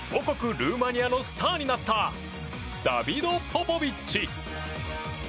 ルーマニアのスターになったダビド・ポポビッチ。